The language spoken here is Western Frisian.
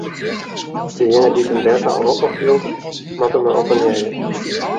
Dejinge dy't him derta roppen fielt, moat him mar oppenearje.